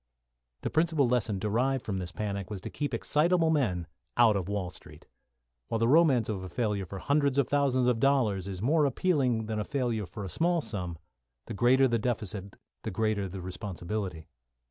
The principal lesson derived from this panic was to keep excitable men out of Wall Street. While the romance of a failure for hundreds of thousands of dollars is more appealing than a failure for a small sum, the greater the deficit the greater the responsibility.